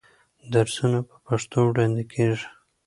درسونه په پښتو وړاندې کېږي.